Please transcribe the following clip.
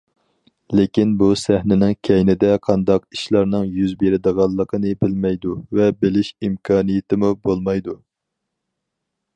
لېكىن بۇ سەھنىنىڭ كەينىدە قانداق ئىشلارنىڭ يۈز بېرىدىغانلىقىنى بىلمەيدۇ ۋە بىلىش ئىمكانىيىتىمۇ بولمايدۇ.